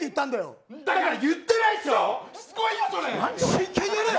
真剣にやれよ！